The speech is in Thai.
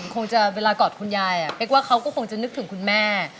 คงจะเวลากอดคุณยายเป๊กว่าเขาก็คงจะนึกถึงคุณแม่